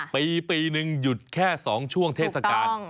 ปีหนึ่งหยุดแค่๒ช่วงเทศกาล